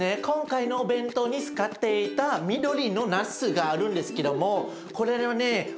今回のお弁当に使っていた緑のなすがあるんですけどもこれはね